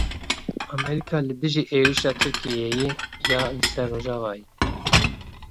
Amerîka li dijî êrişa Tirkiyeyê ya li ser Rojava ye.